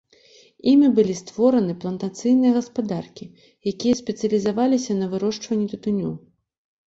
Імі былі створаны плантацыйныя гаспадаркі, якія спецыялізаваліся на вырошчванні тытуню.